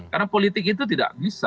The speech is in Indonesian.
karena politik itu tidak bisa